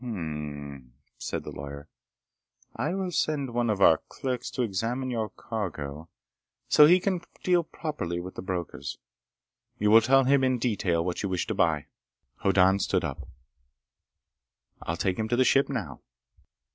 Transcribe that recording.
"Hm m m," said the lawyer. "I will send one of our clerks to examine your cargo so he can deal properly with the brokers. You will tell him in detail what you wish to buy." Hoddan stood up. "I'll take him to the ship now."